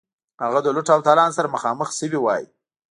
هغه د لوټ او تالان سره مخامخ شوی وای.